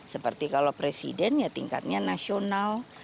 seperti kalau presiden ya tingkatnya nasional